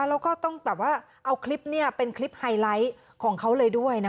แล้วก็ต้องแบบว่าเอาคลิปนี้เป็นคลิปไฮไลท์ของเขาเลยด้วยนะคะ